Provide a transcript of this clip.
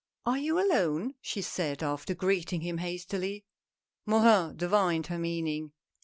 "Are you alone?" she said, after greeting him hastily. Morin divined her meaning.